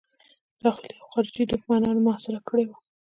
داخلي او خارجي دښمنانو محاصره کړی وو.